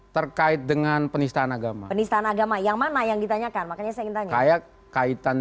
terkait dengan penistaan agama penistaan agama yang mana yang ditanyakan makanya saya ingin tanya kaitan